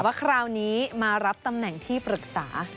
ว่าคราวนี้มารับตำแหน่งที่ปรึกษา